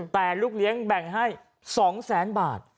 แต่ลูกเลี้ยงแบ่งให้๒แสนบาท